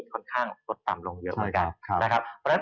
ค่อนข้างทดต่ำลงเยอะกัน